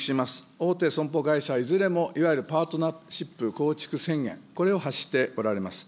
大手損保会社、いずれもいわゆるパートナーシップ構築宣言、これを発しておられます。